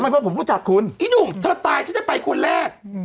เพราะผมรู้จักคุณอีหนุ่มเธอตายฉันจะไปคนแรก